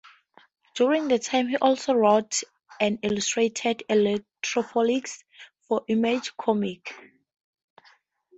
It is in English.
During that time he also wrote and illustrated "Electropolis" for Image Comics.